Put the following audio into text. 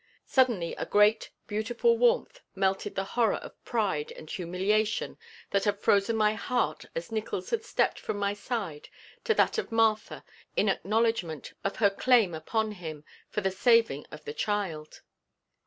Suddenly a great, beautiful warmth melted the horror of pride and humiliation that had frozen my heart as Nickols had stepped from my side to that of Martha in acknowledgment of her claim upon him for the saving of the child.